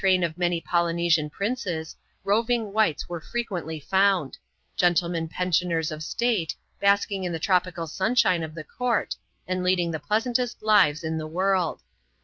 xan of many Polynesian princes, roving whites are fir^q n ently fotmd : gentlemen pensioners of state, basking in the tropical simshiii^ of the eonrt, and leading the pleasantest lives in the world.